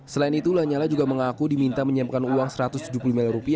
selain itu lanyala juga mengaku diminta menyiapkan uang rp satu ratus tujuh puluh miliar